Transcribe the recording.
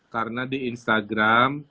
karena di instagram